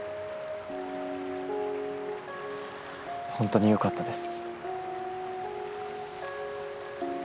ホントによかったです。